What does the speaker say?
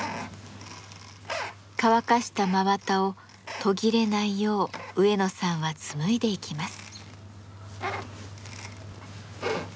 乾かした真綿を途切れないよう植野さんは紡いでいきます。